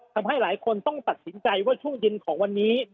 ทำให้หลายคนต้องตัดสินใจว่าช่วงเย็นของวันนี้